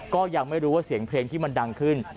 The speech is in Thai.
ก็ยังไม่รู้ว่าเสียงเพลงที่มันดังขึ้น